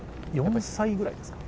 ◆４歳ぐらいですか？